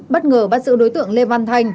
bất ngờ bắt giữ đối tượng lê văn thanh